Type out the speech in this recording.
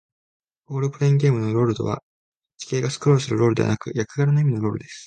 ロールプレイングゲームのロールとは、地形がスクロールするロールではなく、役柄の意味のロールです。